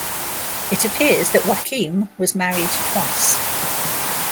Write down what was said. It appears that Joachim was married twice.